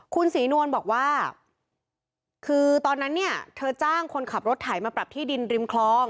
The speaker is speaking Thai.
คุณศรีนวลบอกว่าคือตอนนั้นเนี่ยเธอจ้างคนขับรถไถมาปรับที่ดินริมคลอง